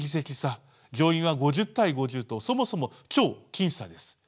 上院は５０対５０とそもそも超僅差です。